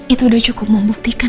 itu udah cukup membuktikan